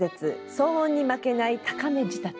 騒音に負けない高め仕立て」。